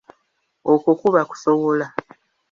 Okwo kuba kusowola.